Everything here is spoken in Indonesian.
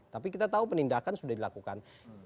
tapi kita tahu penindakan sudah dilakukan